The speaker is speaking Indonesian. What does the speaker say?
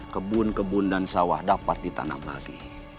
kebun kebun dan sawah dapat ditanam lagi